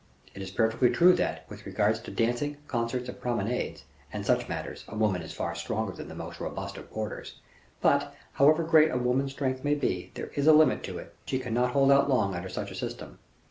It is perfectly true that, with regard to dancing, concerts, and promenades, and such matters, a woman is far stronger than the most robust of porters. But, however great a woman's strength may be, there is a limit to it, and she cannot hold out long under such a system.